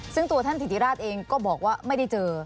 ซึ่งตัวท่านถิติราชเองก็บอกว่าไม่ได้เจอ